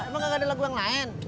emang gak ada lagu yang lain